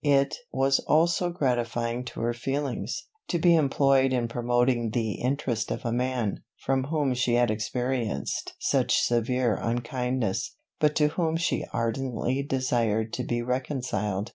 It was also gratifying to her feelings, to be employed in promoting the interest of a man, from whom she had experienced such severe unkindness, but to whom she ardently desired to be reconciled.